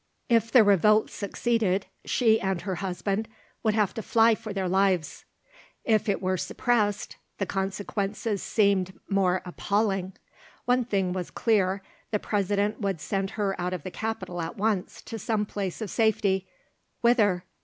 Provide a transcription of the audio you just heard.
If the revolt succeeded, she and her husband would have to fly for their lives; if it were suppressed the consequences seemed more appalling. One thing was clear: the President would send her out of the capital at once to some place of safety. Whither?